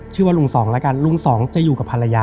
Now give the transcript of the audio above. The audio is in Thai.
ชื่อว่าลุงสองแล้วกันลุงสองจะอยู่กับภรรยา